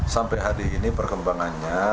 sampai hari ini perkembangannya